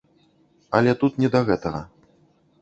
Але тут не да гэтага.